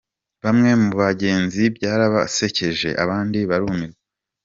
Bamwe mu bagenzi byarabasekeje, abandi barumirwa.